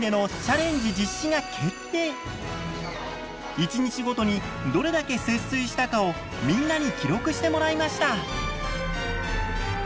１日ごとにどれだけ節水したかをみんなに記録してもらいました。